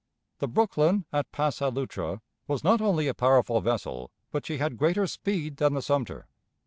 The Brooklyn, at Passe a l'Outre, was not only a powerful vessel, but she had greater speed than the Sumter.